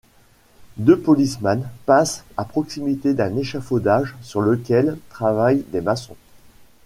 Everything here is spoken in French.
Deux policemen passent à proximité d'un échafaudage sur lequel travaillent des maçons.